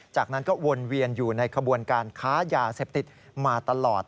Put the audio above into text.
จากนั้นก็วนเวียนอยู่ในขบวนการค้ายาเสพติดมาตลอด